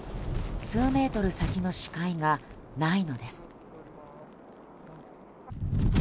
数メートル先の視界がないのです。